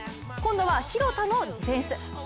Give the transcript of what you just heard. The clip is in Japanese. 今度は廣田のディフェンス。